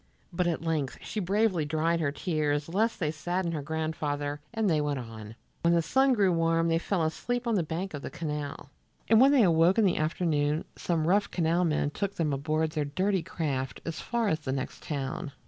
But at length she bravely dried her tears lest they sadden her grandfather, and they went on. When the sun grew warm they fell asleep on the bank of the canal, and when they awoke in the afternoon some rough canal men took them aboard their dirty craft as far as the next town.